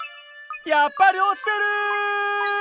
やっぱり落ちてる！